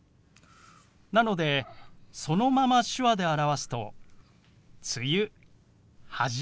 なのでそのまま手話で表すと「梅雨」「始まる」。